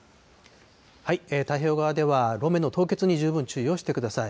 太平洋側では路面の凍結に十分注意をしてください。